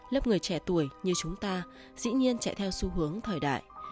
lớp người trẻ tuổi như chúng ta dĩ nhiên chạy theo xu hướng thời đại